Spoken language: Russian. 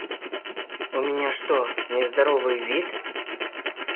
У меня что - нездоровый вид?